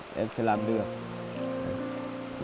em sẽ làm được